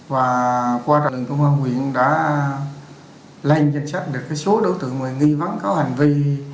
và qua lực lượng công an huyện đã lanh danh sách được số đối tượng người nghi vắng có hành vi